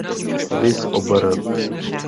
Viz obr.